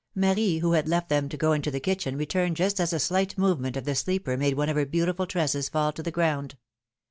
Marie, who had left them to go into the kitchen, returned just as a slight movement of the sleeper made one of her beautiful tresses fall to the ground.